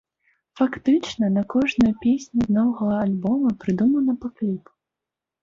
Фактычна на кожную песню з новага альбома прыдумана па кліпу.